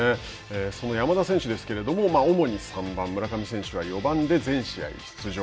その山田選手ですけれども主に３番、村上選手は４番で全試合出場。